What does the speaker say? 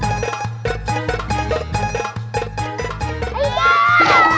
sekarang adalah hari kematianmu